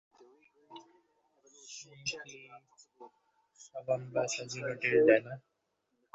সে কি সাবান না সাজিমাটির ডেলা?